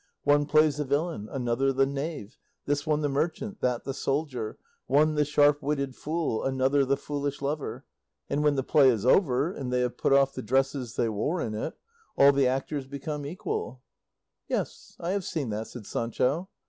One plays the villain, another the knave, this one the merchant, that the soldier, one the sharp witted fool, another the foolish lover; and when the play is over, and they have put off the dresses they wore in it, all the actors become equal." "Yes, I have seen that," said Sancho.